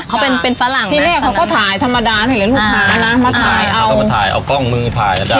เขาเป็นเป็นฝรั่งที่แม่เขาก็ถ่ายธรรมดาให้เหลือลูกค้านะมาถ่ายเอาก็มาถ่ายเอากล้องมือถ่ายก็ได้